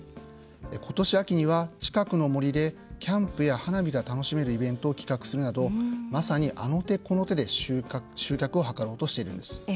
ことし秋には近くの森でキャンプや花火を楽しめるイベントを企画するなどまさにあの手この手で集客を図ろうとしています。